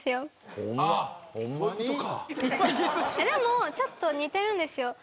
でも、ちょっと似てるんですよ。